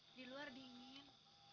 di luar dingin